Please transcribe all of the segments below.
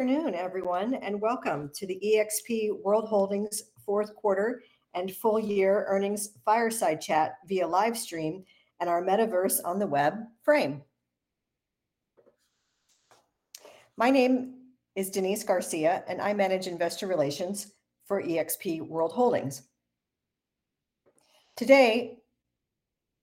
Good afternoon, everyone, and welcome to the eXp World Holdings' fourth quarter and full-year earnings fireside chat via livestream and our metaverse on the web, Frame. My name is Denise Garcia, and I manage investor relations for eXp World Holdings. Today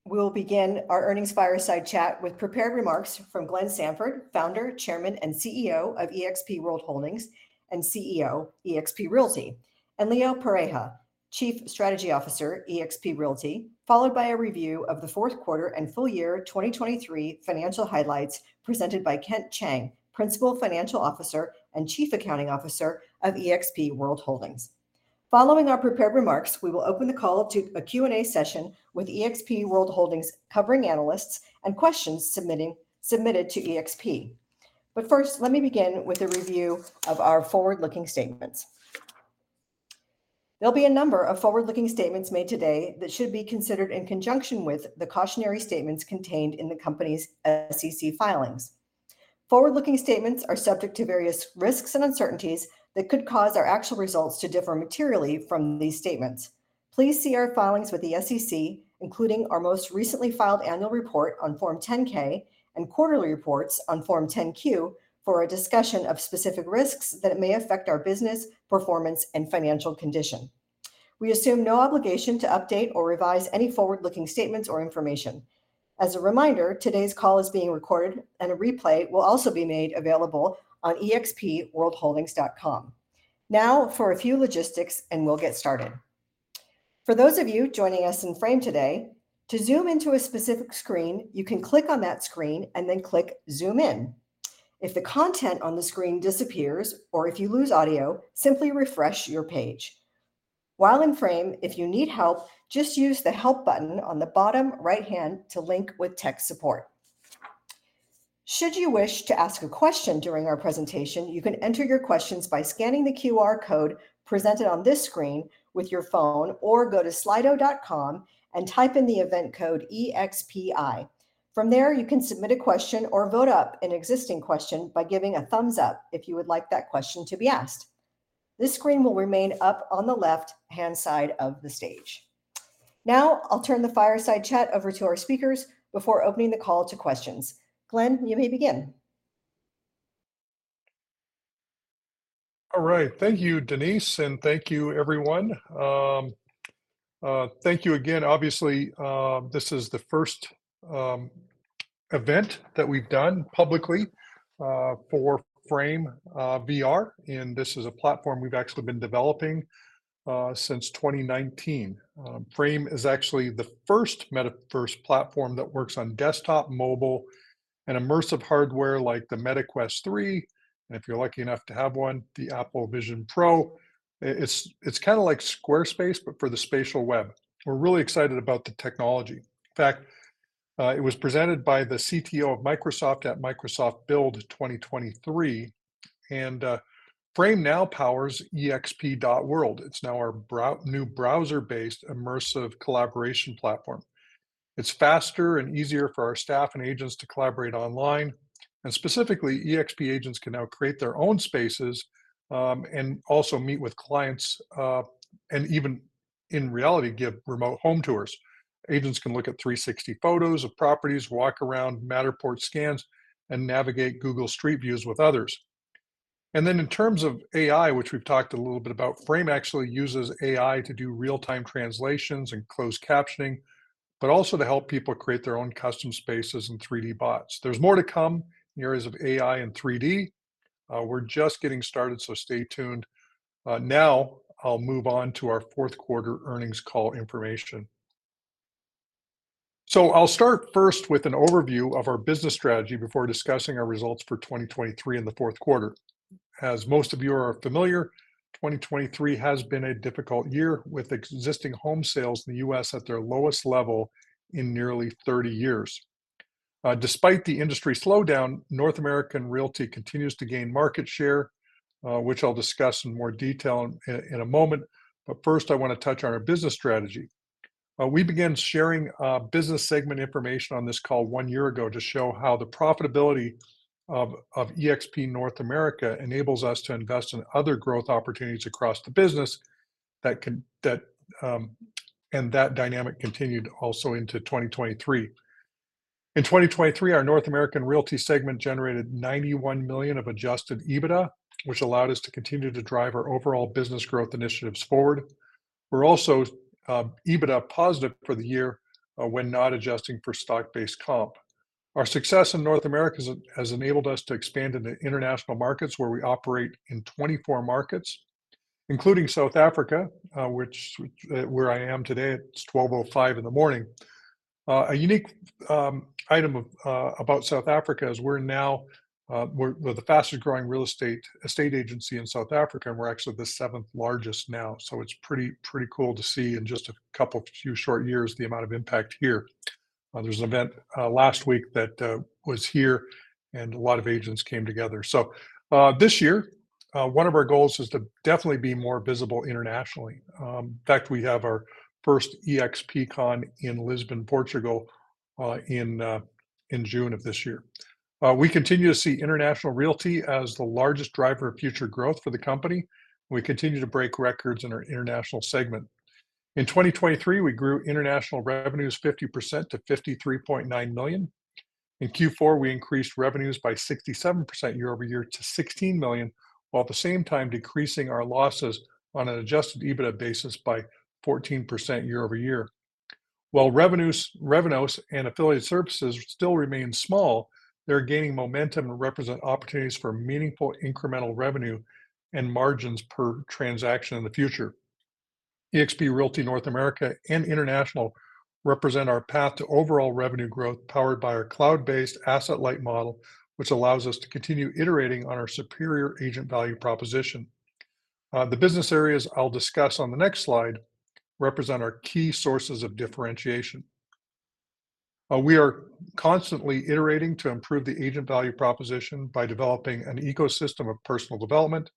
we'll begin our earnings fireside chat with prepared remarks from Glenn Sanford, Founder, Chairman, and CEO of eXp World Holdings and CEO eXp Realty, and Leo Pareja, Chief Strategy Officer, eXp Realty, followed by a review of the fourth quarter and full-year 2023 financial highlights presented by Kent Cheng, Principal Financial Officer and Chief Accounting Officer of eXp World Holdings. Following our prepared remarks, we will open the call to a Q&A session with eXp World Holdings' covering analysts and questions submitted to eXp. But first, let me begin with a review of our forward-looking statements. There'll be a number of forward-looking statements made today that should be considered in conjunction with the cautionary statements contained in the company's SEC filings. Forward-looking statements are subject to various risks and uncertainties that could cause our actual results to differ materially from these statements. Please see our filings with the SEC, including our most recently filed annual report on Form 10-K and quarterly reports on Form 10-Q for a discussion of specific risks that may affect our business performance and financial condition. We assume no obligation to update or revise any forward-looking statements or information. As a reminder, today's call is being recorded, and a replay will also be made available on eXpWorldHoldings.com. Now for a few logistics, and we'll get started. For those of you joining us in Frame today, to zoom into a specific screen, you can click on that screen and then click Zoom In. If the content on the screen disappears or if you lose audio, simply refresh your page. While in Frame, if you need help, just use the Help button on the bottom right-hand to link with tech support. Should you wish to ask a question during our presentation, you can enter your questions by scanning the QR code presented on this screen with your phone or go to Slido.com and type in the event code EXPI. From there, you can submit a question or vote up an existing question by giving a thumbs up if you would like that question to be asked. This screen will remain up on the left-hand side of the stage. Now I'll turn the fireside chat over to our speakers before opening the call to questions. Glenn, you may begin. All right. Thank you, Denise, and thank you, everyone. Thank you again. Obviously, this is the first event that we've done publicly for Frame, and this is a platform we've actually been developing since 2019. Frame is actually the first platform that works on desktop, mobile, and immersive hardware like the Meta Quest 3, and if you're lucky enough to have one, the Apple Vision Pro. It's kind of like Squarespace, but for the spatial web. We're really excited about the technology. In fact, it was presented by the CTO of Microsoft at Microsoft Build 2023, and Frame now powers eXp.world. It's now our new browser-based immersive collaboration platform. It's faster and easier for our staff and agents to collaborate online, and specifically, eXp agents can now create their own spaces and also meet with clients and even, in reality, give remote home tours. Agents can look at 360 photos of properties, walk around Matterport scans, and navigate Google Street Views with others. Then in terms of AI, which we've talked a little bit about, Frame actually uses AI to do real-time translations and closed captioning, but also to help people create their own custom spaces and 3D bots. There's more to come in areas of AI and 3D. We're just getting started, so stay tuned. Now I'll move on to our fourth quarter earnings call information. I'll start first with an overview of our business strategy before discussing our results for 2023 in the fourth quarter. As most of you are familiar, 2023 has been a difficult year with existing home sales in the U.S. at their lowest level in nearly 30 years. Despite the industry slowdown, eXp Realty continues to gain market share, which I'll discuss in more detail in a moment, but first I want to touch on our business strategy. We began sharing business segment information on this call one year ago to show how the profitability of eXp North America enables us to invest in other growth opportunities across the business, and that dynamic continued also into 2023. In 2023, our North American Realty segment generated $91 million of Adjusted EBITDA, which allowed us to continue to drive our overall business growth initiatives forward. We're also EBITDA positive for the year when not adjusting for stock-based comp. Our success in North America has enabled us to expand into international markets where we operate in 24 markets, including South Africa, where I am today. It's 12:05 A.M. in the morning. A unique item about South Africa is we're now the fastest-growing real estate agency in South Africa, and we're actually the seventh largest now. So it's pretty cool to see in just a couple of few short years the amount of impact here. There's an event last week that was here, and a lot of agents came together. So this year, one of our goals is to definitely be more visible internationally. In fact, we have our first eXpCon in Lisbon, Portugal, in June of this year. We continue to see international realty as the largest driver of future growth for the company. We continue to break records in our international segment. In 2023, we grew international revenues 50% to $53.9 million. In Q4, we increased revenues by 67% year-over-year to $16 million, while at the same time decreasing our losses on an adjusted EBITDA basis by 14% year-over-year. While revenues and affiliate services still remain small, they're gaining momentum and represent opportunities for meaningful incremental revenue and margins per transaction in the future. eXp Realty North America and international represent our path to overall revenue growth powered by our cloud-based asset-light model, which allows us to continue iterating on our superior agent value proposition. The business areas I'll discuss on the next slide represent our key sources of differentiation. We are constantly iterating to improve the agent value proposition by developing an ecosystem of personal development,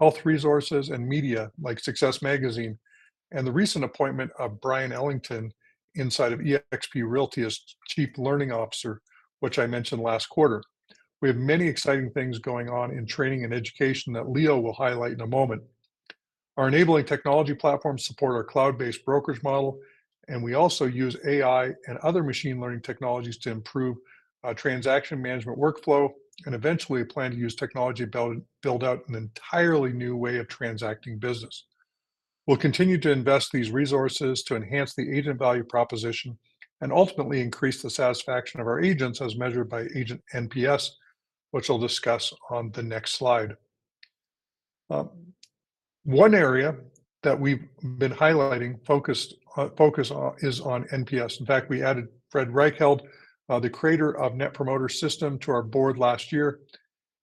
health resources, and media like SUCCESS magazine, and the recent appointment of Bryon Ellington inside of eXp Realty as Chief Learning Officer, which I mentioned last quarter. We have many exciting things going on in training and education that Leo will highlight in a moment. Our enabling technology platforms support our cloud-based brokerage model, and we also use AI and other machine learning technologies to improve transaction management workflow, and eventually plan to use technology to build out an entirely new way of transacting business. We'll continue to invest these resources to enhance the agent value proposition and ultimately increase the satisfaction of our agents as measured by agent NPS, which I'll discuss on the next slide. One area that we've been highlighting focus is on NPS. In fact, we added Fred Reichheld, the creator of Net Promoter System, to our board last year.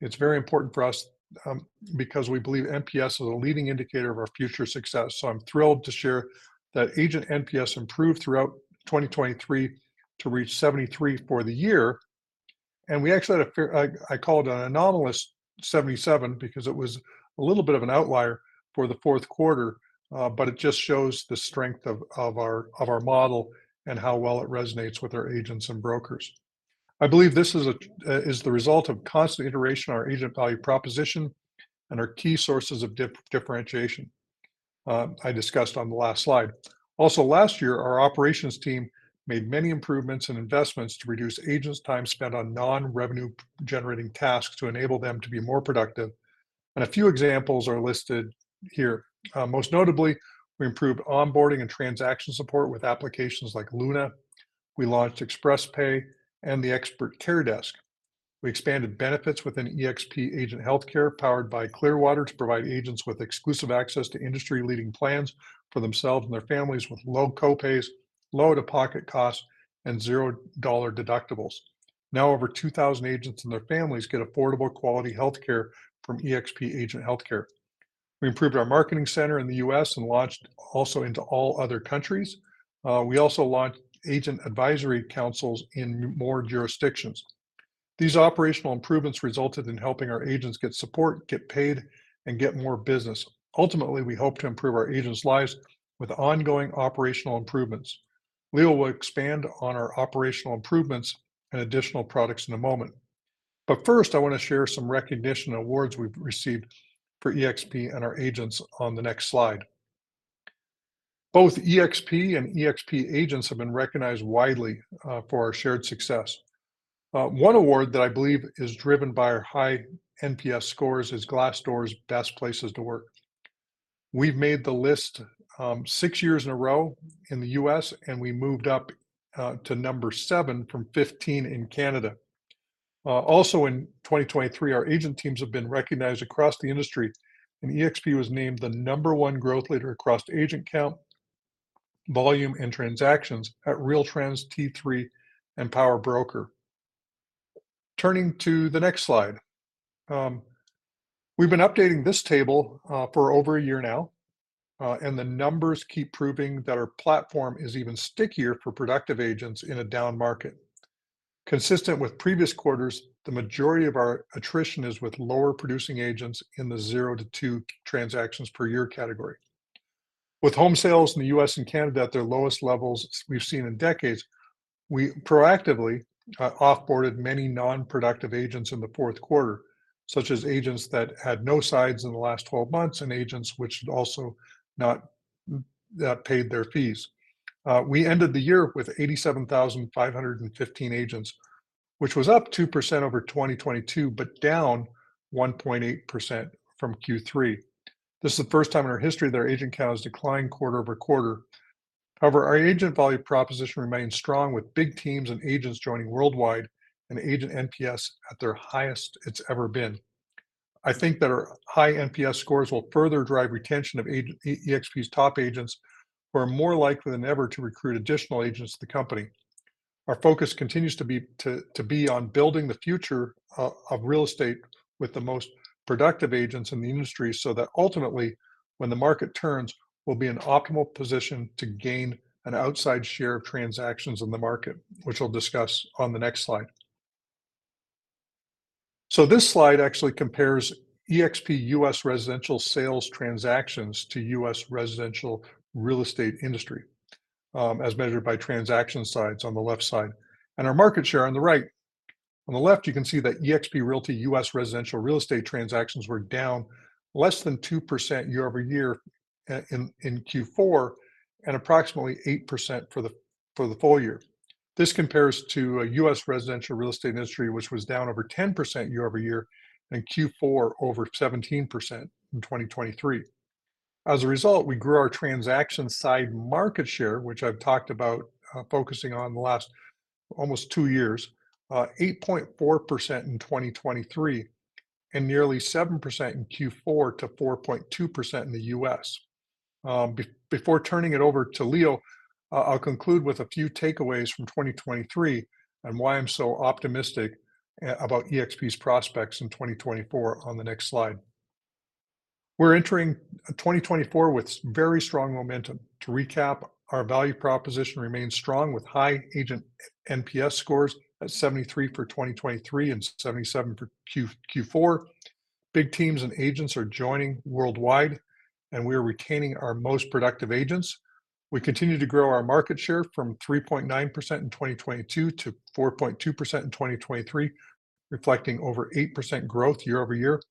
It's very important for us because we believe NPS is a leading indicator of our future success. So I'm thrilled to share that agent NPS improved throughout 2023 to reach 73 for the year. And we actually had a Q4 I called it an anomalous 77 because it was a little bit of an outlier for the fourth quarter, but it just shows the strength of our model and how well it resonates with our agents and brokers. I believe this is the result of constant iteration on our agent value proposition and our key sources of differentiation I discussed on the last slide. Also, last year, our operations team made many improvements and investments to reduce agents' time spent on non-revenue-generating tasks to enable them to be more productive. And a few examples are listed here. Most notably, we improved onboarding and transaction support with applications like Luna. We launched Express Pay and the Expert Care Desk. We expanded benefits within eXp Agent Healthcare powered by Clearwater to provide agents with exclusive access to industry-leading plans for themselves and their families with low copays, low out-of-pocket costs, and $0 deductibles. Now over 2,000 agents and their families get affordable quality healthcare from eXp Agent Healthcare. We improved our marketing center in the U.S. and launched also into all other countries. We also launched agent advisory councils in more jurisdictions. These operational improvements resulted in helping our agents get support, get paid, and get more business. Ultimately, we hope to improve our agents' lives with ongoing operational improvements. Leo will expand on our operational improvements and additional products in a moment. But first, I want to share some recognition awards we've received for eXp and our agents on the next slide. Both eXp and eXp agents have been recognized widely for our shared success. One award that I believe is driven by our high NPS scores is Glassdoor's Best Places to Work. We've made the list 6 years in a row in the U.S., and we moved up to number seven from 15 in Canada. Also, in 2023, our agent teams have been recognized across the industry, and eXp was named the number one growth leader across agent count, volume, and transactions at RealTrends T3 and Power Broker. Turning to the next slide. We've been updating this table for over a year now, and the numbers keep proving that our platform is even stickier for productive agents in a down market. Consistent with previous quarters, the majority of our attrition is with lower-producing agents in the 0-2 transactions per year category. With home sales in the U.S. and Canada at their lowest levels we've seen in decades, we proactively offboarded many non-productive agents in the fourth quarter, such as agents that had no sides in the last 12 months and agents which also not paid their fees. We ended the year with 87,515 agents, which was up 2% over 2022 but down 1.8% from Q3. This is the first time in our history that our agent count has declined quarter-over-quarter. However, our agent value proposition remains strong, with big teams and agents joining worldwide and agent NPS at their highest it's ever been. I think that our high NPS scores will further drive retention of eXp's top agents, who are more likely than ever to recruit additional agents to the company. Our focus continues to be on building the future of real estate with the most productive agents in the industry so that ultimately, when the market turns, we'll be in optimal position to gain an outside share of transactions in the market, which I'll discuss on the next slide. This slide actually compares eXp U.S. residential sales transactions to U.S. residential real estate industry, as measured by transaction sides on the left side and our market share on the right. On the left, you can see that eXp Realty U.S. residential real estate transactions were down less than 2% year-over-year in Q4 and approximately 8% for the full year. This compares to a U.S. residential real estate industry, which was down over 10% year-over-year in Q4 over 17% in 2023. As a result, we grew our transaction side market share, which I've talked about focusing on the last almost two years, 8.4% in 2023 and nearly 7% in Q4 to 4.2% in the US. Before turning it over to Leo, I'll conclude with a few takeaways from 2023 and why I'm so optimistic about eXp's prospects in 2024 on the next slide. We're entering 2024 with very strong momentum. To recap, our value proposition remains strong with high agent NPS scores at 73 for 2023 and 77 for Q4. Big teams and agents are joining worldwide, and we are retaining our most productive agents. We continue to grow our market share from 3.9% in 2022 to 4.2% in 2023, reflecting over 8% growth year-over-year.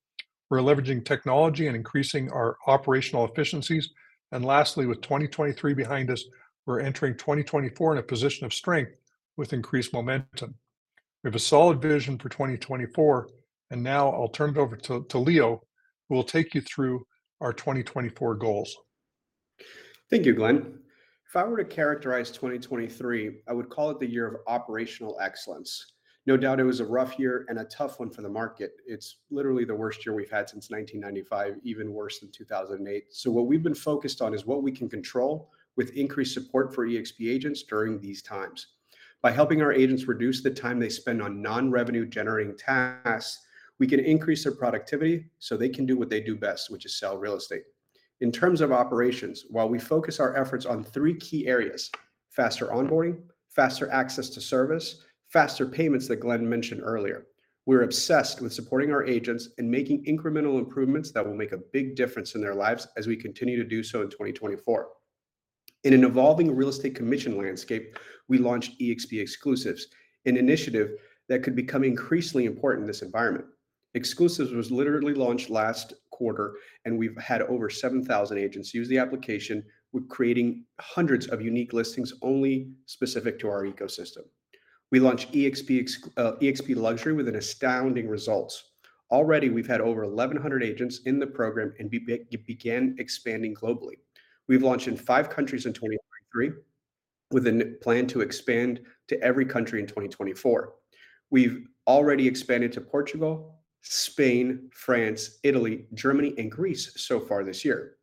We're leveraging technology and increasing our operational efficiencies. Lastly, with 2023 behind us, we're entering 2024 in a position of strength with increased momentum. We have a solid vision for 2024, and now I'll turn it over to Leo, who will take you through our 2024 goals. Thank you, Glenn. If I were to characterize 2023, I would call it the year of operational excellence. No doubt it was a rough year and a tough one for the market. It's literally the worst year we've had since 1995, even worse than 2008. So what we've been focused on is what we can control with increased support for eXp agents during these times. By helping our agents reduce the time they spend on non-revenue-generating tasks, we can increase their productivity so they can do what they do best, which is sell real estate. In terms of operations, while we focus our efforts on three key areas: faster onboarding, faster access to service, and faster payments that Glenn mentioned earlier, we're obsessed with supporting our agents and making incremental improvements that will make a big difference in their lives as we continue to do so in 2024. In an evolving real estate commission landscape, we launched eXp Exclusives, an initiative that could become increasingly important in this environment. Exclusives was literally launched last quarter, and we've had over 7,000 agents use the application, creating hundreds of unique listings only specific to our ecosystem. We launched eXp Luxury with astounding results. Already, we've had over 1,100 agents in the program and began expanding globally. We've launched in five countries in 2023 with a plan to expand to every country in 2024. We've already expanded to Portugal, Spain, France, Italy, Germany, and Greece so far this year.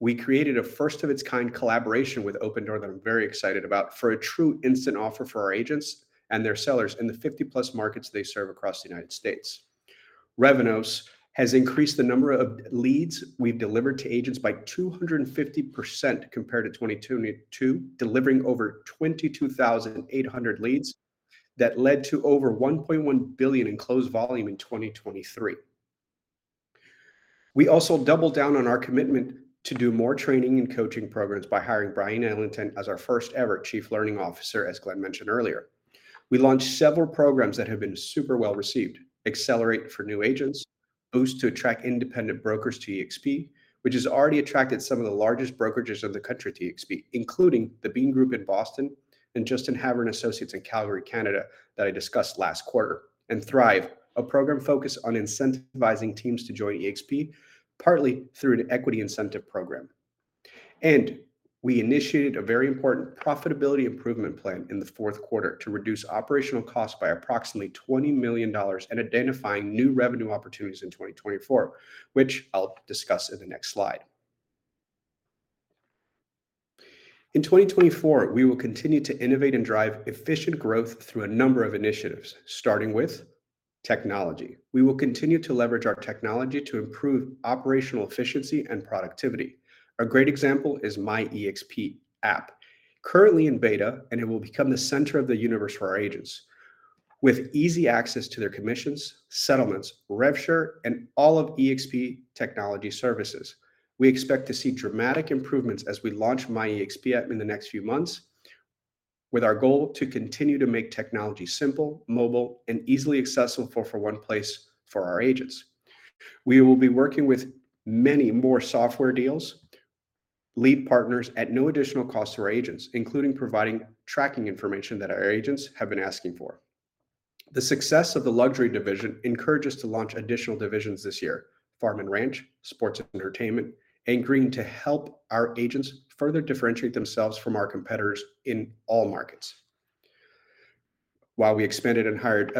We created a first-of-its-kind collaboration with Opendoor that I'm very excited about for a true instant offer for our agents and their sellers in the 50+ markets they serve across the United States. Revenues have increased the number of leads we've delivered to agents by 250% compared to 2022, delivering over 22,800 leads that led to over $1.1 billion in closed volume in 2023. We also doubled down on our commitment to do more training and coaching programs by hiring Bryon Ellington as our first-ever Chief Learning Officer, as Glenn mentioned earlier. We launched several programs that have been super well-received: Accelerate for New Agents, Boost to Attract Independent Brokers to eXp, which has already attracted some of the largest brokerages of the country to eXp, including the Bean Group in Boston and Justin Havre & Associates in Calgary, Canada, that I discussed last quarter, and Thrive, a program focused on incentivizing teams to join eXp, partly through an equity incentive program. We initiated a very important profitability improvement plan in the fourth quarter to reduce operational costs by approximately $20 million and identify new revenue opportunities in 2024, which I'll discuss in the next slide. In 2024, we will continue to innovate and drive efficient growth through a number of initiatives, starting with technology. We will continue to leverage our technology to improve operational efficiency and productivity. A great example is My eXp app, currently in beta, and it will become the center of the universe for our agents, with easy access to their commissions, settlements, rev share, and all of eXp technology services. We expect to see dramatic improvements as we launch My eXp app in the next few months, with our goal to continue to make technology simple, mobile, and easily accessible for one place for our agents. We will be working with many more software deals, lead partners at no additional cost to our agents, including providing tracking information that our agents have been asking for. The success of the Luxury division encourages us to launch additional divisions this year: Farm and Ranch, Sports and Entertainment, and Green to help our agents further differentiate themselves from our competitors in all markets. While we expanded and hired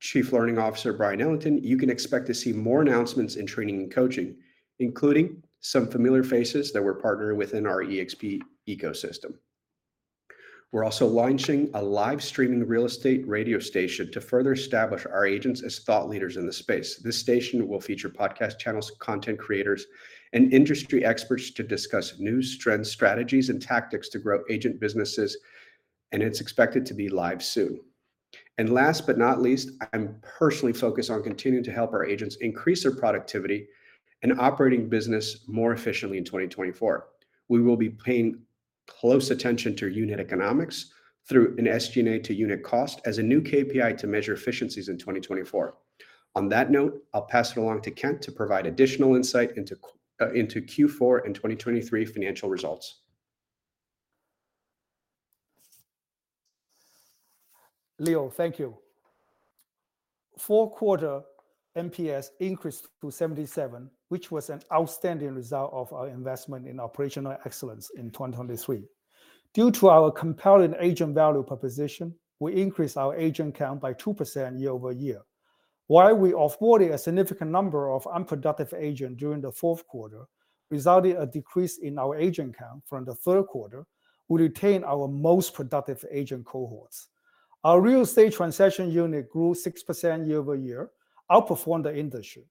Chief Learning Officer Bryon Ellington, you can expect to see more announcements in training and coaching, including some familiar faces that we're partnering with in our eXp ecosystem. We're also launching a live-streaming real estate radio station to further establish our agents as thought leaders in the space. This station will feature podcast channels, content creators, and industry experts to discuss new strategies and tactics to grow agent businesses, and it's expected to be live soon. Last but not least, I'm personally focused on continuing to help our agents increase their productivity and operating business more efficiently in 2024. We will be paying close attention to unit economics through an SG&A to unit cost as a new KPI to measure efficiencies in 2024. On that note, I'll pass it along to Kent to provide additional insight into Q4 and 2023 financial results. Leo, thank you. Fourth quarter NPS increased to 77, which was an outstanding result of our investment in operational excellence in 2023. Due to our compelling agent value proposition, we increased our agent count by 2% year-over-year. While we offboarded a significant number of unproductive agents during the fourth quarter, resulting in a decrease in our agent count from the third quarter, we retained our most productive agent cohorts. Our real estate transaction unit grew 6% year-over-year, outperforming the industry.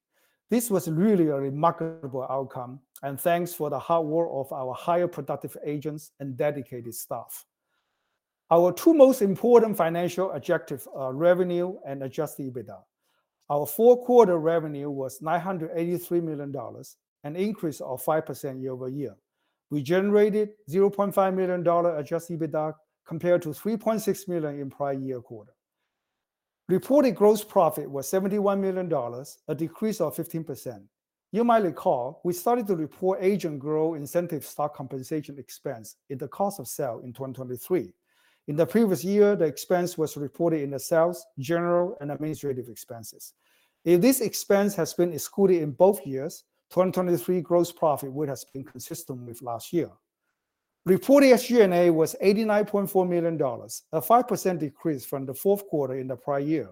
This was really a remarkable outcome, and thanks for the hard work of our higher productive agents and dedicated staff. Our two most important financial objectives are revenue and adjusted EBITDA. Our fourth quarter revenue was $983 million, an increase of 5% year-over-year. We generated $0.5 million adjusted EBITDA compared to $3.6 million in prior year quarter. Reported gross profit was $71 million, a decrease of 15%. You might recall we started to report agent growth incentive stock compensation expense in the cost of sale in 2023. In the previous year, the expense was reported in the sales, general, and administrative expenses. If this expense has been excluded in both years, 2023 gross profit would have been consistent with last year. Reported SG&A was $89.4 million, a 5% decrease from the fourth quarter in the prior year,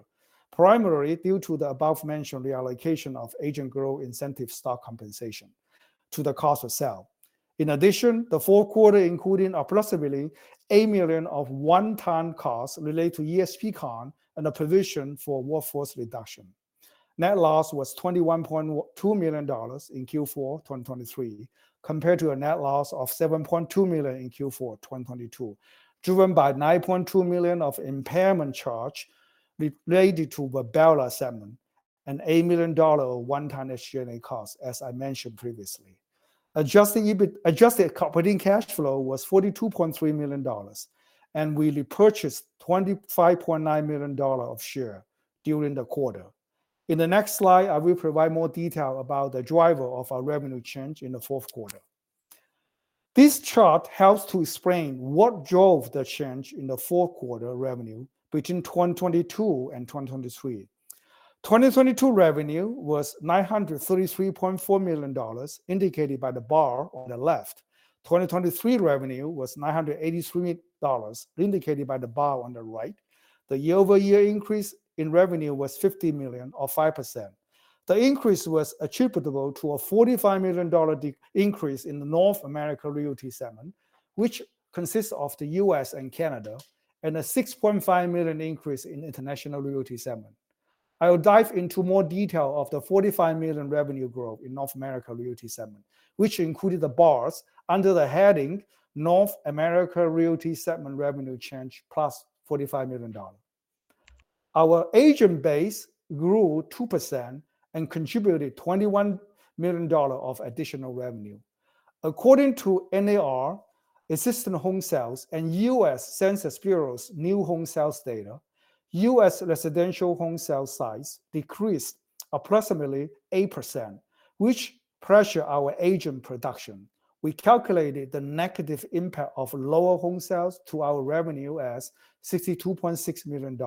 primarily due to the above-mentioned reallocation of agent growth incentive stock compensation to the cost of sale. In addition, the fourth quarter included approximately $8 million of one-time costs related to eXpCON and a provision for workforce reduction. Net loss was $21.2 million in Q4 2023 compared to a net loss of $7.2 million in Q4 2022, driven by $9.2 million of impairment charge related to Virbela assessment and $8 million of one-time SG&A costs, as I mentioned previously. Adjusted operating cash flow was $42.3 million, and we repurchased $25.9 million of share during the quarter. In the next slide, I will provide more detail about the driver of our revenue change in the fourth quarter. This chart helps to explain what drove the change in the fourth quarter revenue between 2022 and 2023. 2022 revenue was $933.4 million, indicated by the bar on the left. 2023 revenue was $983 million, indicated by the bar on the right. The year-over-year increase in revenue was $50 million or 5%. The increase was attributable to a $45 million increase in the North America Realty segment, which consists of the U.S. and Canada, and a $6.5 million increase in the international Realty segment. I will dive into more detail of the $45 million revenue growth in the North America Realty segment, which included the bars under the heading "North America Realty Segment Revenue Change Plus $45 Million." Our agent base grew 2% and contributed $21 million of additional revenue. According to NAR, Existing Home Sales, and U.S. Census Bureau's new home sales data, U.S. residential home sales size decreased approximately 8%, which pressured our agent production. We calculated the negative impact of lower home sales to our revenue as $62.6 million.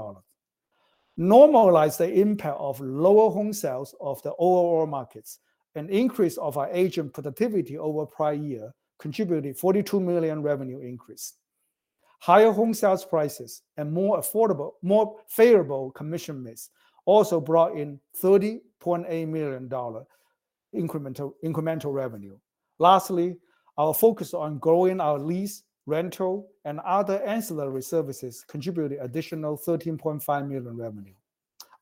Normalizing the impact of lower home sales in the overall markets, an increase in our agent productivity over the prior year contributed to a $42 million revenue increase. Higher home sales prices and more affordable, more favorable commission rates also brought in $30.8 million incremental revenue. Lastly, our focus on growing our lease, rental, and other ancillary services contributed additional $13.5 million revenue.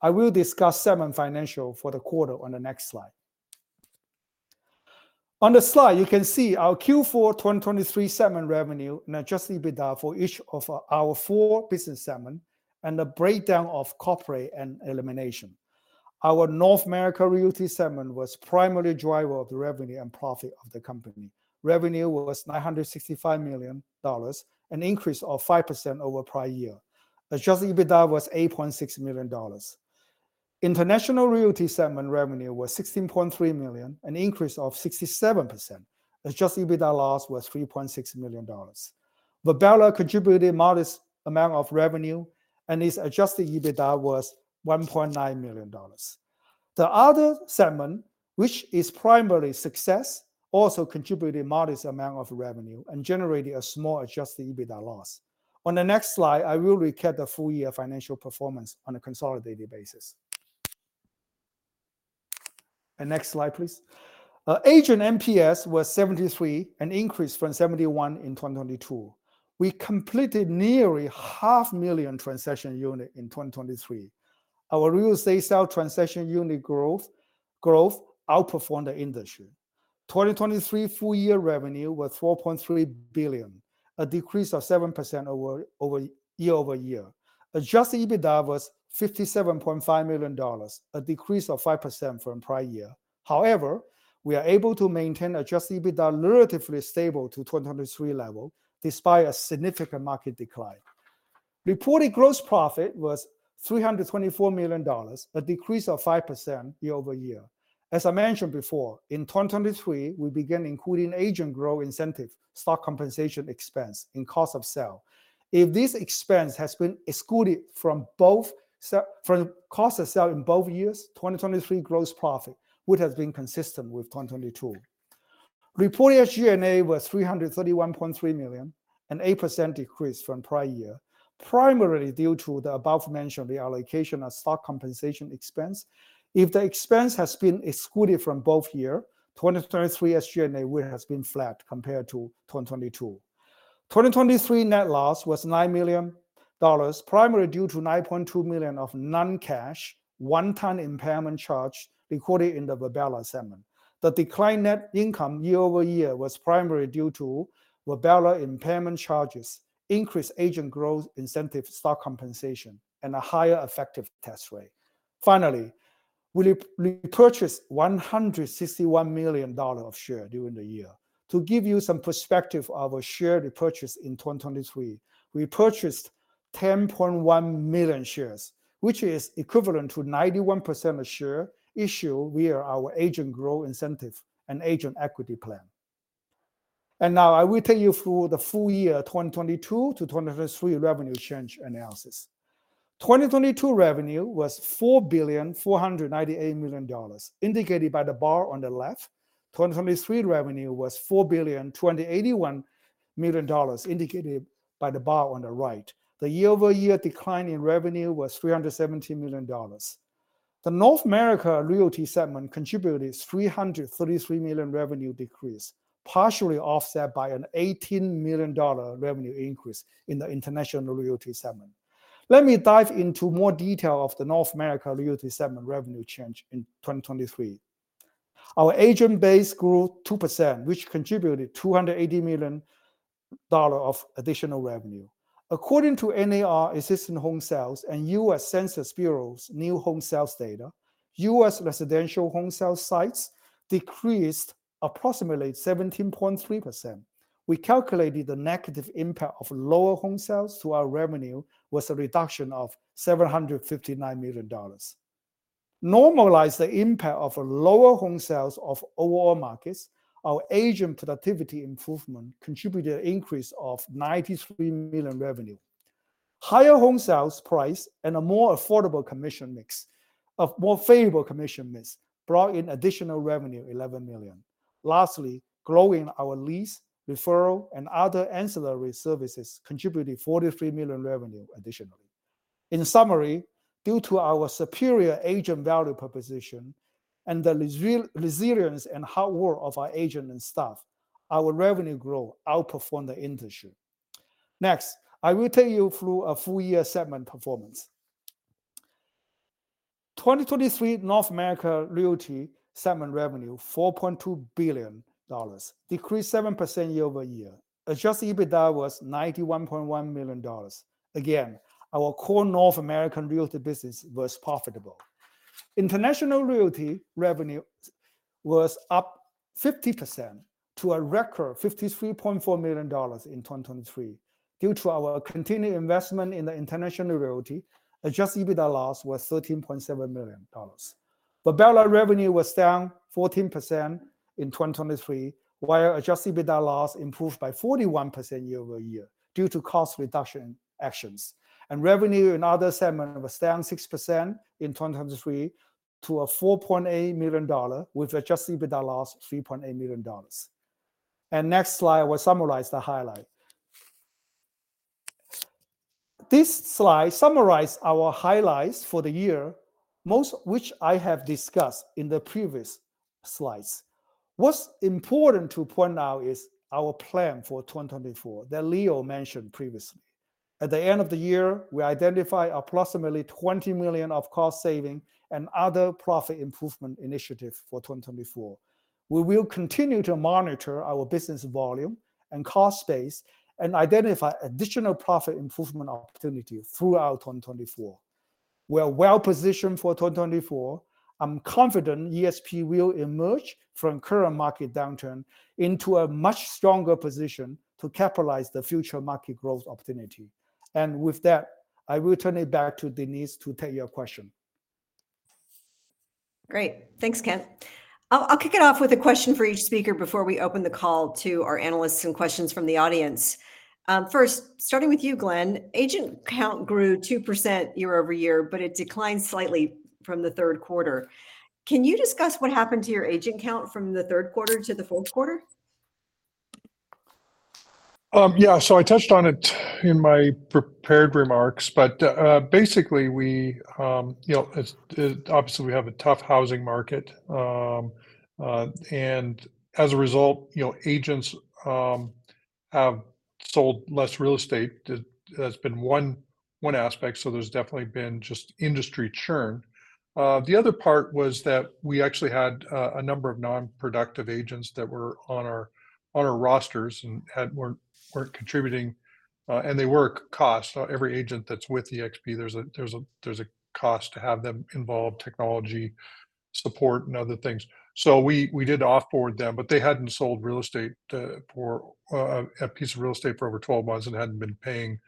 I will discuss segment financial for the quarter on the next slide. On the slide, you can see our Q4 2023 segment revenue and Adjusted EBITDA for each of our four business segments and the breakdown of corporate and elimination. Our North America realty segment was the primary driver of the revenue and profit of the company. Revenue was $965 million, an increase of 5% over prior year. Adjusted EBITDA was $8.6 million. International realty segment revenue was $16.3 million, an increase of 67%. Adjusted EBITDA loss was $3.6 million. Virbela contributed a modest amount of revenue, and its Adjusted EBITDA was $1.9 million. The other segment, which is primarily SUCCESS, also contributed a modest amount of revenue and generated a small adjusted EBITDA loss. On the next slide, I will recap the full-year financial performance on a consolidated basis. And next slide, please. Agent NPS was 73, an increase from 71 in 2022. We completed nearly 500,000 transaction units in 2023. Our real estate sale transaction unit growth outperformed the industry. 2023 full-year revenue was $4.3 billion, a decrease of 7% year-over-year. Adjusted EBITDA was $57.5 million, a decrease of 5% from prior year. However, we are able to maintain adjusted EBITDA relatively stable to 2023 level despite a significant market decline. Reported gross profit was $324 million, a decrease of 5% year-over-year. As I mentioned before, in 2023, we began including agent growth incentive stock compensation expense in cost of sale. If this expense has been excluded from both cost of sale in both years, 2023 gross profit would have been consistent with 2022. Reported SG&A was $331.3 million, an 8% decrease from prior year, primarily due to the above-mentioned reallocation of stock compensation expense. If the expense has been excluded from both years, 2023 SG&A would have been flat compared to 2022. 2023 net loss was $9 million, primarily due to $9.2 million of non-cash one-time impairment charge recorded in the Virbela segment. The declined net income year over year was primarily due to Virbela impairment charges, increased agent growth incentive stock compensation, and a higher effective tax rate. Finally, we repurchased $161 million of shares during the year. To give you some perspective of our share repurchase in 2023, we purchased 10.1 million shares, which is equivalent to 91% of shares issued via our Agent Growth Incentive and Agent Equity Plan. Now I will take you through the full-year 2022 to 2023 revenue change analysis. 2022 revenue was $4,498 million, indicated by the bar on the left. 2023 revenue was $4,181 million, indicated by the bar on the right. The year-over-year decline in revenue was $317 million. The North America realty segment contributed a $333 million revenue decrease, partially offset by an $18 million revenue increase in the international realty segment. Let me dive into more detail of the North America realty segment revenue change in 2023. Our agent base grew 2%, which contributed $280 million of additional revenue. According to NAR, Existing Home Sales, and U.S. Census Bureau's new home sales data, U.S. residential home sales decreased approximately 17.3%. We calculated the negative impact of lower home sales to our revenue with a reduction of $759 million. Normalized the impact of lower home sales of overall markets, our agent productivity improvement contributed an increase of $93 million revenue. Higher home sales price and a more affordable commission mix of more favorable commission rates brought in additional revenue of $11 million. Lastly, growing our lease, referral, and other ancillary services contributed $43 million revenue additionally. In summary, due to our superior agent value proposition and the resilience and hard work of our agents and staff, our revenue growth outperformed the industry. Next, I will take you through a full-year segment performance. 2023 North America realty segment revenue was $4.2 billion, decreased 7% year-over-year. Adjusted EBITDA was $91.1 million. Again, our core North American realty business was profitable. International realty revenue was up 50% to a record $53.4 million in 2023. Due to our continued investment in the international realty, adjusted EBITDA loss was $13.7 million. Virbela revenue was down 14% in 2023, while adjusted EBITDA loss improved by 41% year over year due to cost reduction actions. Revenue in other segments was down 6% in 2023 to $4.8 million with adjusted EBITDA loss of $3.8 million. Next slide, I will summarize the highlights. This slide summarizes our highlights for the year, most of which I have discussed in the previous slides. What's important to point out is our plan for 2024 that Leo mentioned previously. At the end of the year, we identified approximately $20 million of cost saving and other profit improvement initiatives for 2024. We will continue to monitor our business volume and cost base and identify additional profit improvement opportunities throughout 2024. We are well positioned for 2024. I'm confident eXp will emerge from current market downturn into a much stronger position to capitalize on the future market growth opportunity. And with that, I will turn it back to Denise to take your question. Great. Thanks, Kent. I'll kick it off with a question for each speaker before we open the call to our analysts and questions from the audience. First, starting with you, Glenn, agent count grew 2% year-over-year, but it declined slightly from the third quarter. Can you discuss what happened to your agent count from the third quarter to the fourth quarter? Yeah. So I touched on it in my prepared remarks. But basically, obviously, we have a tough housing market. And as a result, agents have sold less real estate. That's been one aspect. So there's definitely been just industry churn. The other part was that we actually had a number of non-productive agents that were on our rosters and weren't contributing. And they were a cost. Every agent that's with eXp, there's a cost to have them involved, technology support, and other things. So we did offboard them, but they hadn't sold real estate for a piece of real estate for over 12 months and hadn't been paying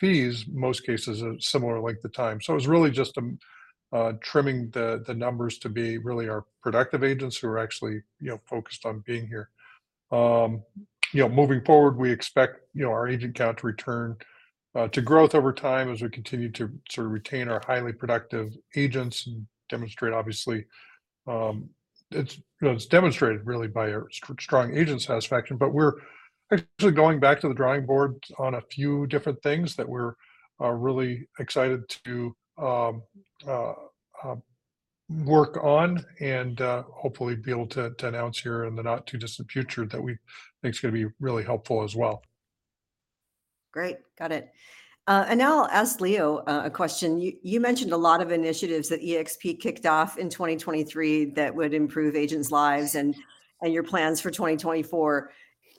fees, most cases, a similar length of time. So it was really just trimming the numbers to be really our productive agents who are actually focused on being here. Moving forward, we expect our agent count to return to growth over time as we continue to sort of retain our highly productive agents and demonstrate, obviously it's demonstrated really by a strong agent satisfaction. But we're actually going back to the drawing board on a few different things that we're really excited to work on and hopefully be able to announce here in the not-too-distant future that we think is going to be really helpful as well. Great. Got it. Now I'll ask Leo a question. You mentioned a lot of initiatives that eXp kicked off in 2023 that would improve agents' lives and your plans for 2024.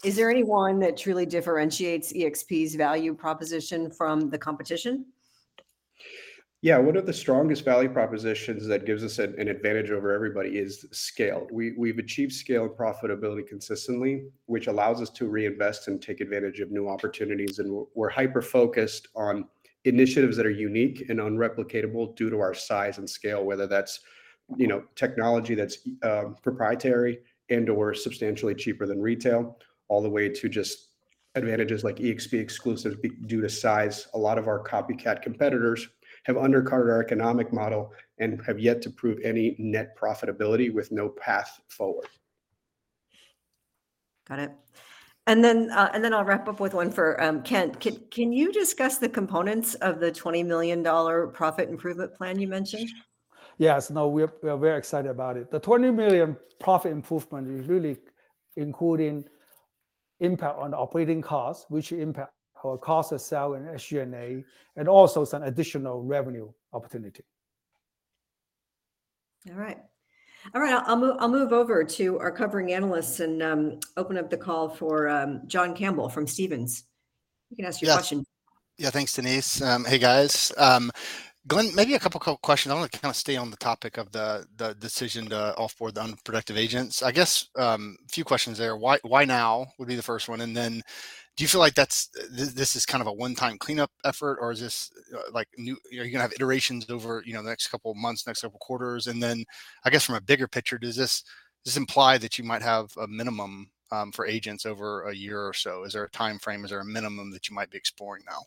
Is there anyone that truly differentiates eXp's value proposition from the competition? Yeah. One of the strongest value propositions that gives us an advantage over everybody is scale. We've achieved scale and profitability consistently, which allows us to reinvest and take advantage of new opportunities. We're hyper-focused on initiatives that are unique and unreplicatable due to our size and scale, whether that's technology that's proprietary and/or substantially cheaper than retail, all the way to just advantages like eXp Exclusives due to size. A lot of our copycat competitors have undercut our economic model and have yet to prove any net profitability with no path forward. Got it. And then I'll wrap up with one for Kent. Can you discuss the components of the $20 million profit improvement plan you mentioned? Yes. No, we are very excited about it. The $20 million profit improvement is really including impact on the operating costs, which impact our cost of sale in SG&A, and also some additional revenue opportunity. All right. All right. I'll move over to our covering analysts and open up the call for John Campbell from Stephens. You can ask your question. Yeah. Thanks, Denise. Hey, guys. Glenn, maybe a couple of quick questions. I want to kind of stay on the topic of the decision to offboard the unproductive agents. I guess a few questions there. Why now would be the first one. And then do you feel like this is kind of a one-time cleanup effort, or is this like new? Are you going to have iterations over the next couple of months, next couple of quarters? And then I guess from a bigger picture, does this imply that you might have a minimum for agents over a year or so? Is there a timeframe? Is there a minimum that you might be exploring now?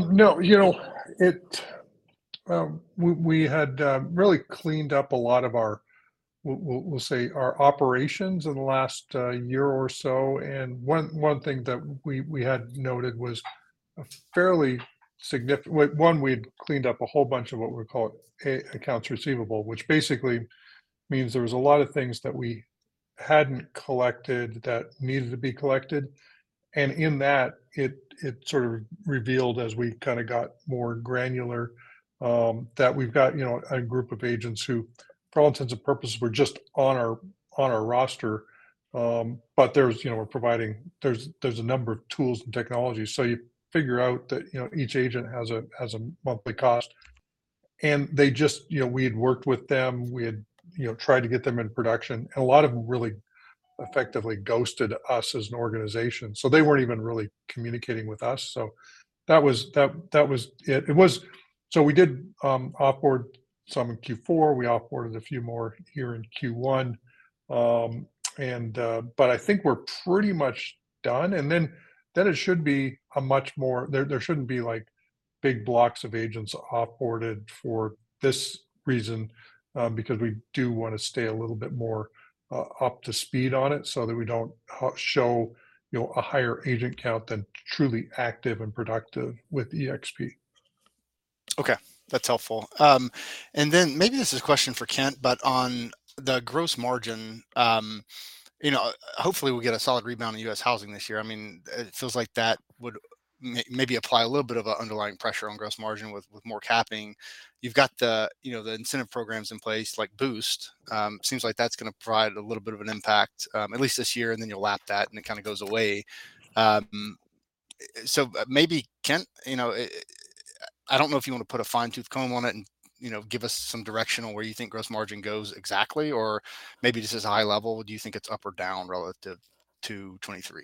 No. We had really cleaned up a lot of our, we'll say, our operations in the last year or so. One thing that we had noted was a fairly significant one. We had cleaned up a whole bunch of what we call accounts receivable, which basically means there was a lot of things that we hadn't collected that needed to be collected. In that, it sort of revealed as we kind of got more granular that we've got a group of agents who, for all intents and purposes, were just on our roster. But we're providing there's a number of tools and technologies. So you figure out that each agent has a monthly cost. We had worked with them. We had tried to get them in production. A lot of them really effectively ghosted us as an organization. So they weren't even really communicating with us. So that was it. So we did offboard some in Q4. We offboarded a few more here in Q1. But I think we're pretty much done. And then it should be a much more. There shouldn't be big blocks of agents offboarded for this reason because we do want to stay a little bit more up to speed on it so that we don't show a higher agent count than truly active and productive with eXp. Okay. That's helpful. And then maybe this is a question for Kent, but on the gross margin, hopefully, we'll get a solid rebound in U.S. housing this year. I mean, it feels like that would maybe apply a little bit of an underlying pressure on gross margin with more capping. You've got the incentive programs in place like Boost. Seems like that's going to provide a little bit of an impact, at least this year, and then you'll lap that and it kind of goes away. So maybe, Kent, I don't know if you want to put a fine-tooth comb on it and give us some direction on where you think gross margin goes exactly, or maybe just as a high level, do you think it's up or down relative to 2023?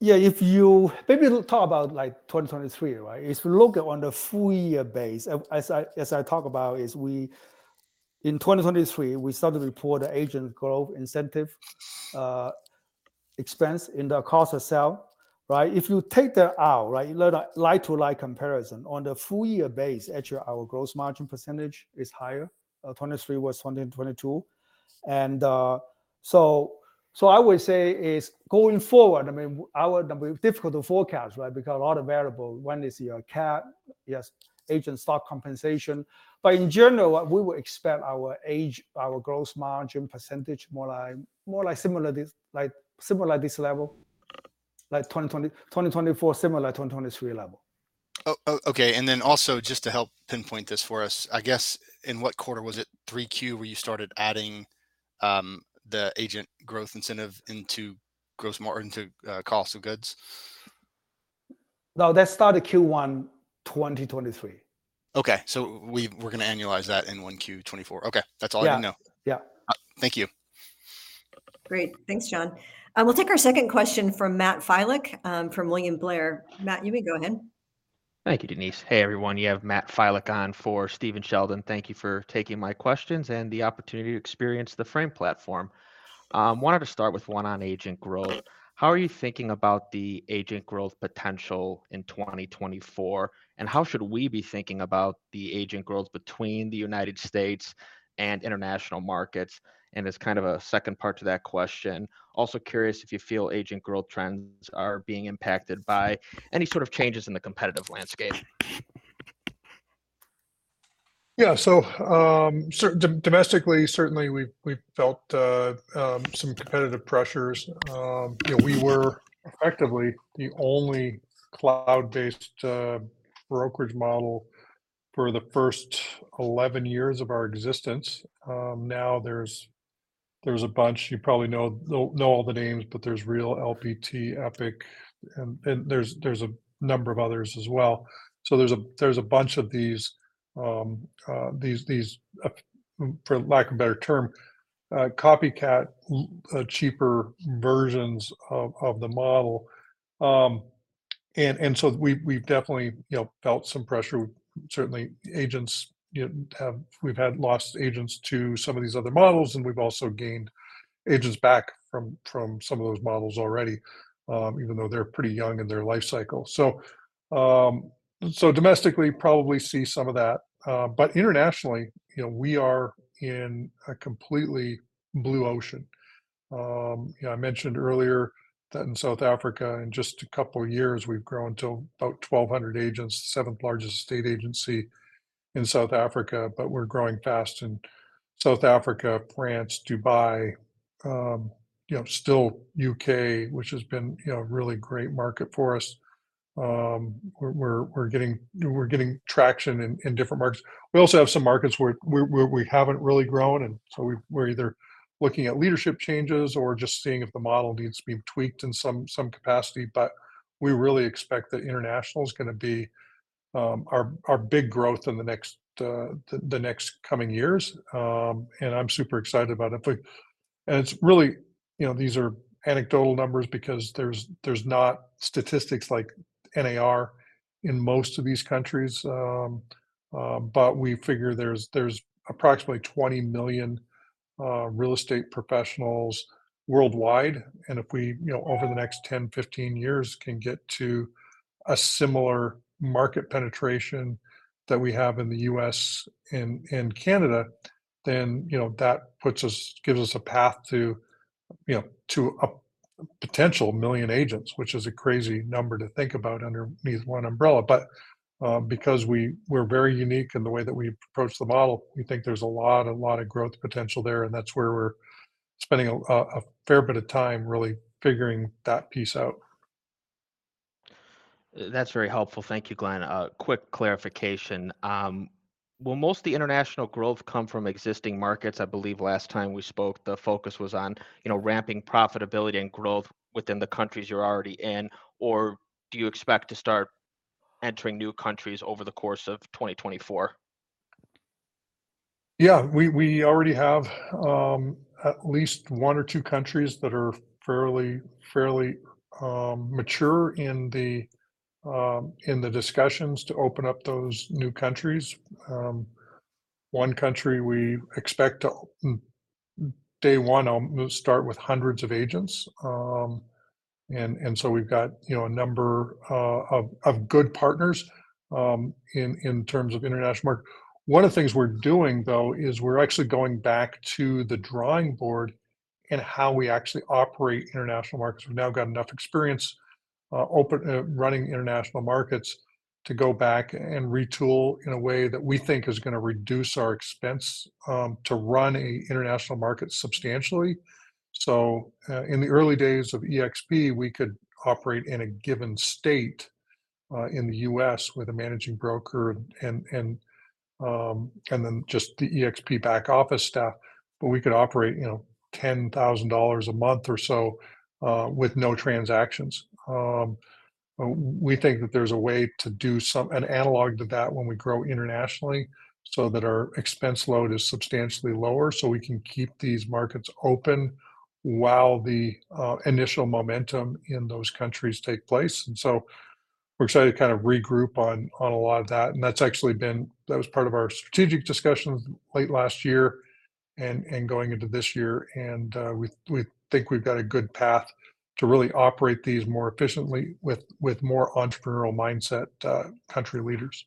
Yeah. Maybe talk about 2023, right? If we look on the full-year basis, as I talk about, in 2023, we started to report the agent growth incentive expense in the cost of sales, right? If you take that out, right, you learn a like-to-like comparison. On the full-year basis, actually, our gross margin percentage is higher. 2023 [than] 2022. And so I would say is going forward, I mean, difficult to forecast, right, because a lot of variables. When is your cap? Yes. Agent stock compensation. But in general, we would expect our gross margin percentage more like similar to this level, like 2024, similar to 2023 level. Okay. And then also, just to help pinpoint this for us, I guess, in what quarter was it, 3Q, where you started adding the Agent growth incentive into cost of goods? No, that started Q1 2023. Okay. So we're going to annualize that in 1Q2024. Okay. That's all I didn't know. Yeah. Yeah. Thank you. Great. Thanks, John. We'll take our second question from Matt Filek from William Blair. Matt, you may go ahead. Thank you, Denise. Hey, everyone. You have Matthew Filek on for Stephen Sheldon. Thank you for taking my questions and the opportunity to experience the Frame platform. Wanted to start with one on agent growth. How are you thinking about the agent growth potential in 2024? And how should we be thinking about the agent growth between the United States and international markets? And as kind of a second part to that question, also curious if you feel agent growth trends are being impacted by any sort of changes in the competitive landscape. Yeah. So domestically, certainly, we've felt some competitive pressures. We were effectively the only cloud-based brokerage model for the first 11 years of our existence. Now, there's a bunch. You probably know all the names, but there's LPT Realty, Epique Realty, and there's a number of others as well. So there's a bunch of these, for lack of a better term, copycat, cheaper versions of the model. And so we've definitely felt some pressure. Certainly, we've had lost agents to some of these other models, and we've also gained agents back from some of those models already, even though they're pretty young in their life cycle. So domestically, probably see some of that. But internationally, we are in a completely blue ocean. I mentioned earlier that in South Africa, in just a couple of years, we've grown to about 1,200 agents, the seventh largest state agency in South Africa. But we're growing fast in South Africa, France, Dubai, still UK, which has been a really great market for us. We're getting traction in different markets. We also have some markets where we haven't really grown. And so we're either looking at leadership changes or just seeing if the model needs to be tweaked in some capacity. But we really expect that international is going to be our big growth in the next coming years. And I'm super excited about it. And these are anecdotal numbers because there's not statistics like NAR in most of these countries. But we figure there's approximately 20 million real estate professionals worldwide. If we, over the next 10, 15 years, can get to a similar market penetration that we have in the US and Canada, then that gives us a path to a potential 1 million agents, which is a crazy number to think about underneath one umbrella. But because we're very unique in the way that we approach the model, we think there's a lot of growth potential there. That's where we're spending a fair bit of time really figuring that piece out. That's very helpful. Thank you, Glenn. Quick clarification. Will most of the international growth come from existing markets? I believe last time we spoke, the focus was on ramping profitability and growth within the countries you're already in. Or do you expect to start entering new countries over the course of 2024? Yeah. We already have at least one or two countries that are fairly mature in the discussions to open up those new countries. One country, day one, I'll start with hundreds of agents. And so we've got a number of good partners in terms of international markets. One of the things we're doing, though, is we're actually going back to the drawing board and how we actually operate international markets. We've now got enough experience running international markets to go back and retool in a way that we think is going to reduce our expense to run an international market substantially. So in the early days of eXp, we could operate in a given state in the U.S. with a managing broker and then just the eXp back office staff. But we could operate $10,000 a month or so with no transactions. We think that there's a way to do an analog to that when we grow internationally so that our expense load is substantially lower so we can keep these markets open while the initial momentum in those countries take place. And so we're excited to kind of regroup on a lot of that. And that's actually been part of our strategic discussions late last year and going into this year. And we think we've got a good path to really operate these more efficiently with more entrepreneurial mindset country leaders.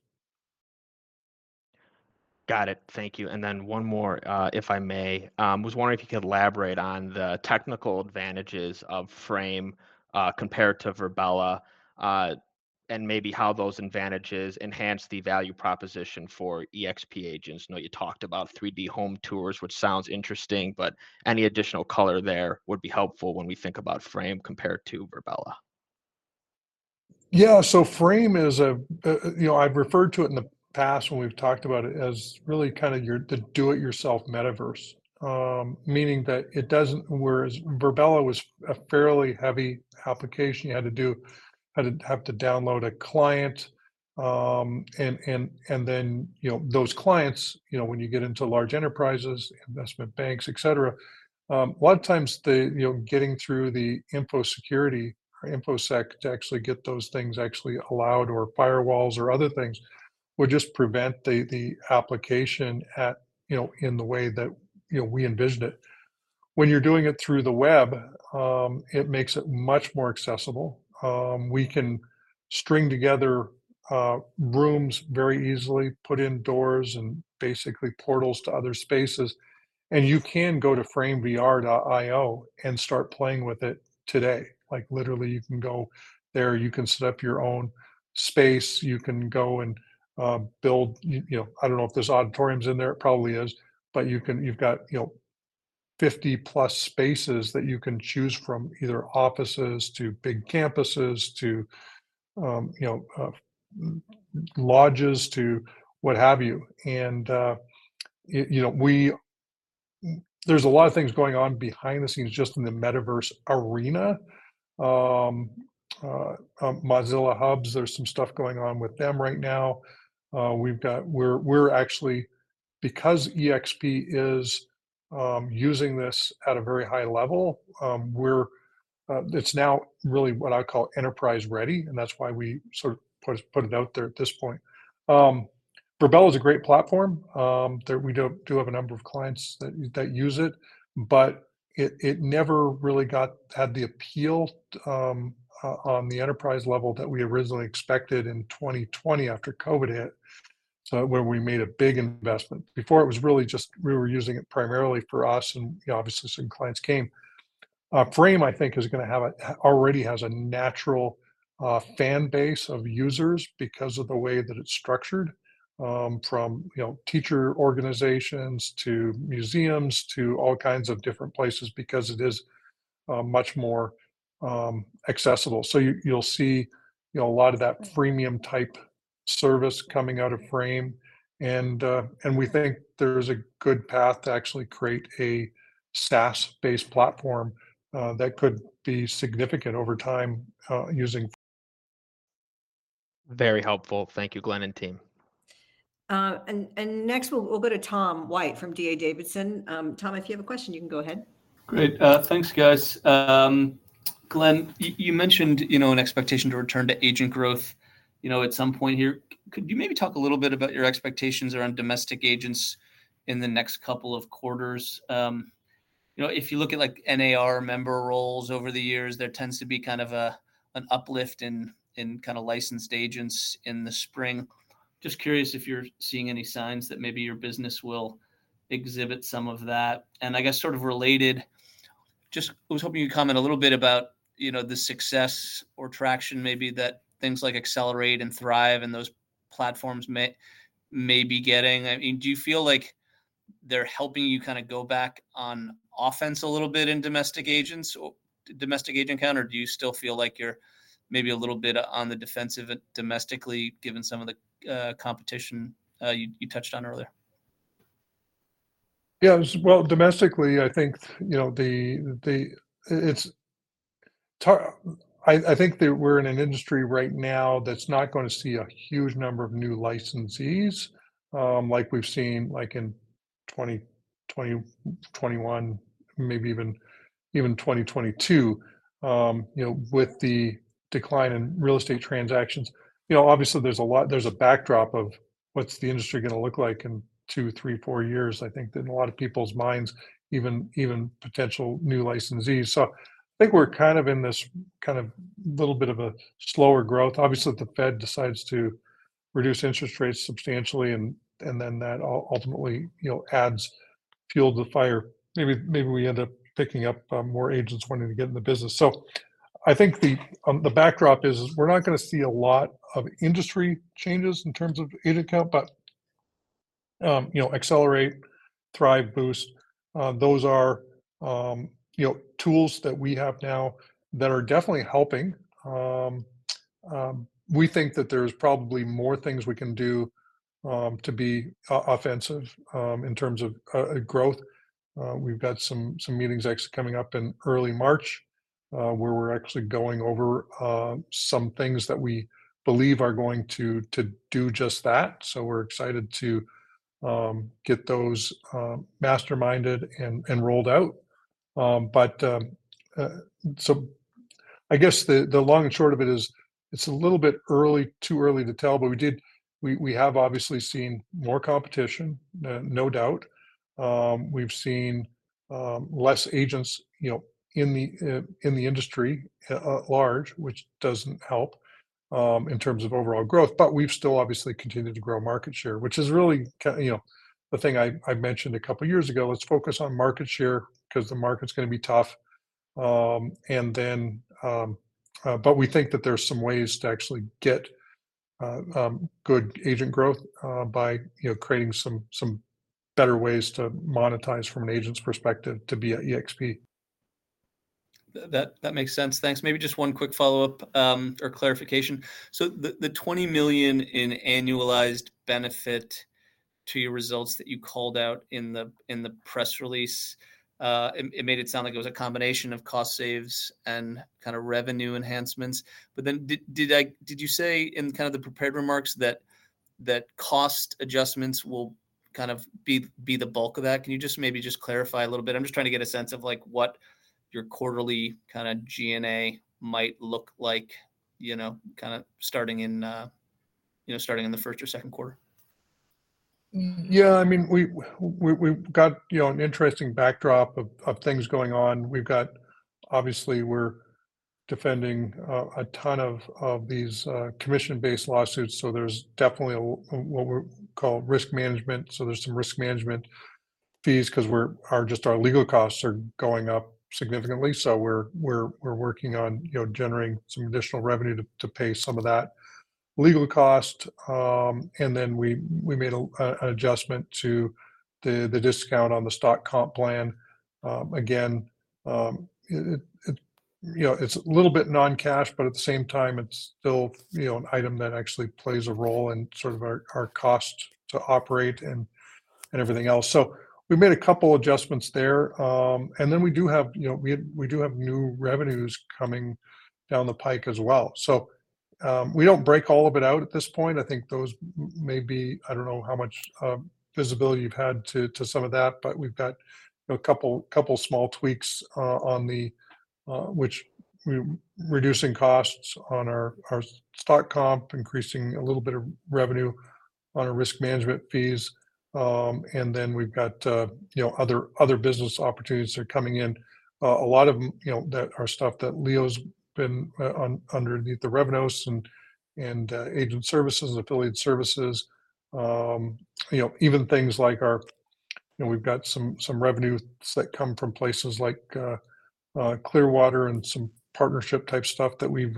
Got it. Thank you. And then one more, if I may. I was wondering if you could elaborate on the technical advantages of Frame, competitors, Virbela, and maybe how those advantages enhance the value proposition for eXp agents. I know you talked about 3D home tours, which sounds interesting, but any additional color there would be helpful when we think about Frame compared to Virbela. Yeah. So Frame is. I've referred to it in the past when we've talked about it as really kind of the do-it-yourself metaverse, meaning that it doesn't whereas Virbela was a fairly heavy application. You had to download a client. And then those clients, when you get into large enterprises, investment banks, etc., a lot of times, getting through the infosec to actually get those things allowed or firewalls or other things would just prevent the application in the way that we envisioned it. When you're doing it through the web, it makes it much more accessible. We can string together rooms very easily, put in doors and basically portals to other spaces. And you can go to framevr.io and start playing with it today. Literally, you can go there. You can set up your own space. You can go and build. I don't know if there's auditoriums in there. It probably is. But you've got 50+ spaces that you can choose from, either offices to big campuses to lodges to what have you. And there's a lot of things going on behind the scenes just in the metaverse arena. Mozilla Hubs, there's some stuff going on with them right now. We're actually, because eXp is using this at a very high level, it's now really what I call enterprise-ready. And that's why we sort of put it out there at this point. Virbela is a great platform. We do have a number of clients that use it. But it never really had the appeal on the enterprise level that we originally expected in 2020 after COVID hit where we made a big investment. Before, it was really just we were using it primarily for us. And obviously, some clients came. Frame, I think, already has a natural fan base of users because of the way that it's structured, from teacher organizations to museums to all kinds of different places because it is much more accessible. So you'll see a lot of that freemium-type service coming out of Frame. And we think there's a good path to actually create a SaaS-based platform that could be significant over time using. Very helpful. Thank you, Glenn and team. Next, we'll go to Tom White from D.A. Davidson. Tom, if you have a question, you can go ahead. Great. Thanks, guys. Glenn, you mentioned an expectation to return to agent growth at some point here. Could you maybe talk a little bit about your expectations around domestic agents in the next couple of quarters? If you look at NAR member rolls over the years, there tends to be kind of an uplift in kind of licensed agents in the spring. Just curious if you're seeing any signs that maybe your business will exhibit some of that. And I guess sort of related, I was hoping you'd comment a little bit about the success or traction maybe that things like Accelerate and Thrive and those platforms may be getting. I mean, do you feel like they're helping you kind of go back on offense a little bit in domestic agent count? Or do you still feel like you're maybe a little bit on the defensive domestically given some of the competition you touched on earlier? Yeah. Well, domestically, I think we're in an industry right now that's not going to see a huge number of new licensees like we've seen in 2021, maybe even 2022 with the decline in real estate transactions. Obviously, there's a backdrop of what's the industry going to look like in two, three, four years, I think, in a lot of people's minds, even potential new licensees. So I think we're kind of in this kind of little bit of a slower growth. Obviously, if the Fed decides to reduce interest rates substantially, and then that ultimately adds fuel to the fire, maybe we end up picking up more agents wanting to get in the business. So I think the backdrop is we're not going to see a lot of industry changes in terms of agent count. Accelerate, Thrive, Boost, those are tools that we have now that are definitely helping. We think that there's probably more things we can do to be offensive in terms of growth. We've got some meetings actually coming up in early March where we're actually going over some things that we believe are going to do just that. We're excited to get those masterminded and rolled out. I guess the long and short of it is it's a little bit too early to tell. But we have, obviously, seen more competition, no doubt. We've seen less agents in the industry at large, which doesn't help in terms of overall growth. But we've still, obviously, continued to grow market share, which is really the thing I mentioned a couple of years ago. Let's focus on market share because the market's going to be tough. We think that there's some ways to actually get good agent growth by creating some better ways to monetize from an agent's perspective to be at eXp. That makes sense. Thanks. Maybe just one quick follow-up or clarification. So the $20 million in annualized benefit to your results that you called out in the press release, it made it sound like it was a combination of cost saves and kind of revenue enhancements. But then did you say in kind of the prepared remarks that cost adjustments will kind of be the bulk of that? Can you maybe just clarify a little bit? I'm just trying to get a sense of what your quarterly kind of G&A might look like kind of starting in the first or second quarter. Yeah. I mean, we've got an interesting backdrop of things going on. Obviously, we're defending a ton of these commission-based lawsuits. So there's definitely what we call risk management. So there's some risk management fees because just our legal costs are going up significantly. So we're working on generating some additional revenue to pay some of that legal cost. And then we made an adjustment to the discount on the stock comp plan. Again, it's a little bit non-cash. But at the same time, it's still an item that actually plays a role in sort of our cost to operate and everything else. So we made a couple of adjustments there. And then we do have new revenues coming down the pike as well. So we don't break all of it out at this point. I think those may be. I don't know how much visibility you've had to some of that. But we've got a couple of small tweaks on the reducing costs on our stock comp, increasing a little bit of revenue on our risk management fees. And then we've got other business opportunities that are coming in. A lot of that are stuff that Leo's been underneath the Revenos and agent services and affiliate services. Even things like our we've got some revenues that come from places like Clearwater and some partnership-type stuff that we've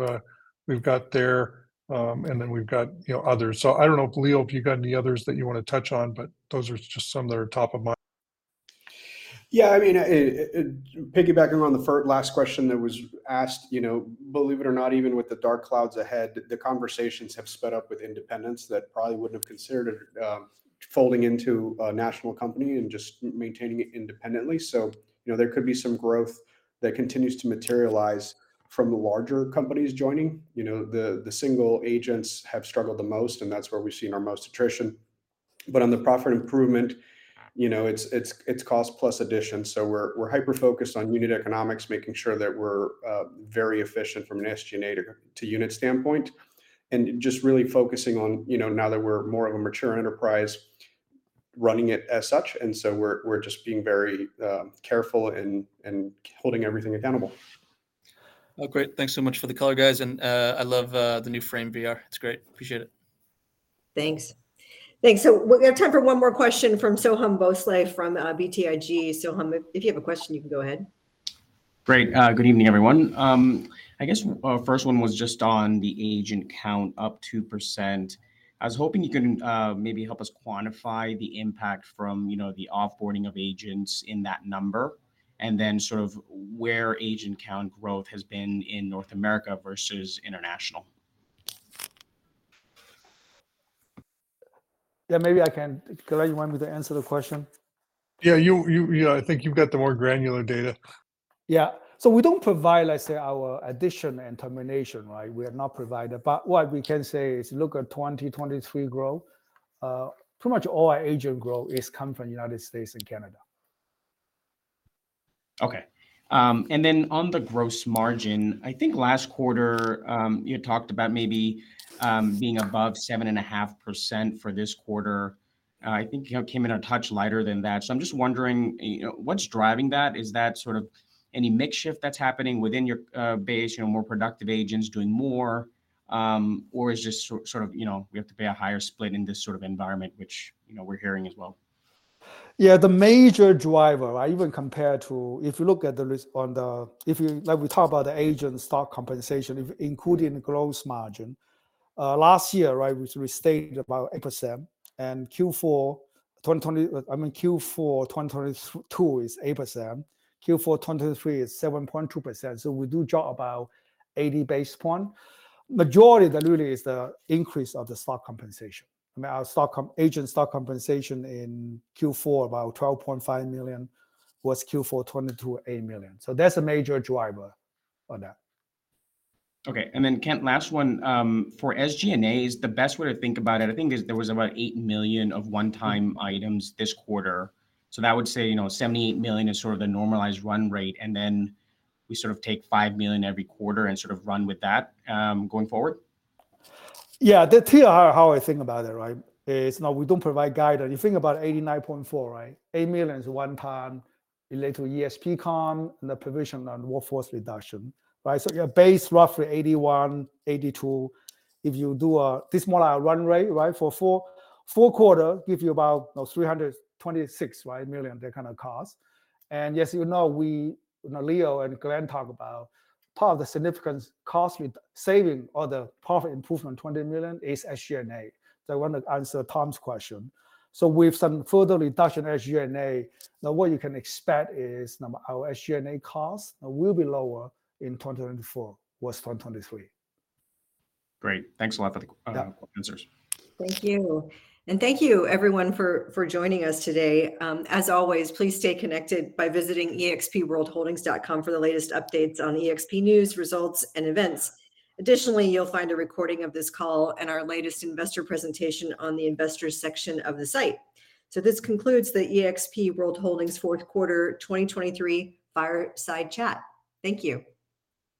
got there. And then we've got others. So I don't know, Leo, if you've got any others that you want to touch on. But those are just some that are top of mind. Yeah. I mean, piggybacking on the last question that was asked, believe it or not, even with the dark clouds ahead, the conversations have sped up with independents that probably wouldn't have considered folding into a national company and just maintaining it independently. So there could be some growth that continues to materialize from the larger companies joining. The single agents have struggled the most. And that's where we've seen our most attrition. But on the profit improvement, it's cost plus addition. So we're hyper-focused on unit economics, making sure that we're very efficient from an SG&A to unit standpoint and just really focusing on now that we're more of a mature enterprise, running it as such. And so we're just being very careful and holding everything accountable. Oh, great. Thanks so much for the color, guys. I love the new Frame VR. It's great. Appreciate it. Thanks. Thanks. So we have time for one more question from Soham Bhonsle from BTIG. Soham, if you have a question, you can go ahead. Great. Good evening, everyone. I guess our first one was just on the agent count up 2%. I was hoping you can maybe help us quantify the impact from the offboarding of agents in that number and then sort of where agent count growth has been in North America versus international? Yeah. Maybe I can correct you when we answer the question. Yeah. I think you've got the more granular data. Yeah. So we don't provide, let's say, our addition and termination, right? We are not provided. But what we can say is look at 2023 growth. Pretty much all our agent growth comes from the United States and Canada. Okay. And then on the gross margin, I think last quarter, you talked about maybe being above 7.5% for this quarter. I think it came in a touch lighter than that. So I'm just wondering, what's driving that? Is that sort of any mix shift that's happening within your base, more productive agents doing more? Or is it just sort of we have to pay a higher split in this sort of environment, which we're hearing as well? Yeah. The major driver, even compared to if you look at the list on the if we talk about the agent stock compensation, including the gross margin, last year, right, we stayed about 8%. And Q4 2020, I mean, Q4 2022 is 8%. Q4 2023 is 7.2%. So we do drop about 80 basis points. Majority really is the increase of the stock compensation. I mean, our agent stock compensation in Q4 about $12.5 million was Q4 2022, $8 million. So that's a major driver on that. Okay. And then, Kent, last one. For SG&A, is the best way to think about it, I think, is there was about $8 million of one-time items this quarter. So that would say $78 million is sort of the normalized run rate. And then we sort of take $5 million every quarter and sort of run with that going forward? Yeah. The two are how I think about it, right? It's not we don't provide guidance. You think about $89.4 million, right? $8 million is one-time related to eXp comp and the provision on workforce reduction, right? So your base, roughly $81 million-$82 million. If you do a this is more like a run rate, right? For four quarters, give you about $326 million, right, that kind of cost. And yes, you know Leo and Glenn talk about part of the significant cost saving or the profit improvement, $20 million, is SG&A. So I want to answer Tom's question. So with some further reduction in SG&A, what you can expect is our SG&A cost will be lower in 2024 versus 2023. Great. Thanks a lot for the quick answers. Thank you. And thank you, everyone, for joining us today. As always, please stay connected by visiting eXpWorldHoldings.com for the latest updates on eXp news, results, and events. Additionally, you'll find a recording of this call and our latest investor presentation on the investors section of the site. So this concludes the eXp World Holdings fourth quarter 2023 fireside chat. Thank you.